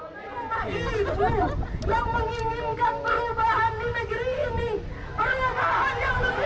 bapak ibu yang menginginkan perubahan di negeri ini